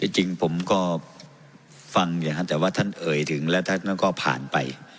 จริงผมก็ฟังอย่างนั้นแต่ว่าท่านเอ่ยถึงแล้วท่านนั้นก็ผ่านไป